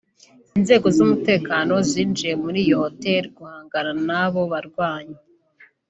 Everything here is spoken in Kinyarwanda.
Inzego z’umutekano zinjiye muri iyo hoteli guhangana n’abo barwanyi